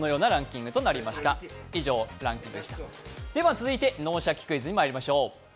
続いて「脳シャキ！クイズ」にまいりましょう。